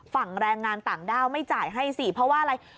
แรงงานต่างด้าวไม่จ่ายให้สิเพราะว่าอะไร